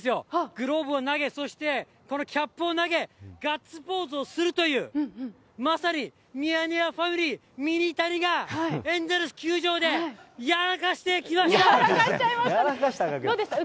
グローブを投げ、そしてこのキャップを投げ、ガッツポーズをするという、まさにミヤネ屋ファミリー、ミニタニがエンゼルス球場でやらかしてきましどうでした？